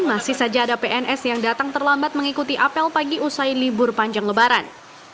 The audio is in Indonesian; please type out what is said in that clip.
masih saja ada pns yang datang terlambat mengikuti apel pagi usai libur panjang lebaran